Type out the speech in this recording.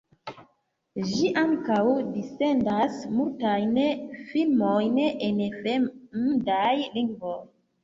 Ĝi ankaŭ dissendas multajn filmojn en fremdaj lingvoj.